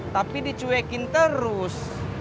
tapi dicuekin terus